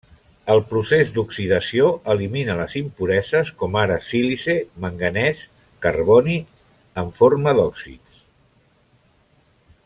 El procés d'oxidació elimina les impureses com ara sílice, manganès, carboni en forma d'òxids.